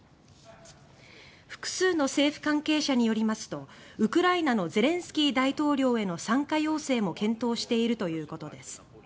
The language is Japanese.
複数の政府関係者によりますとウクライナのゼレンスキー大統領への参加要請も検討しているということです。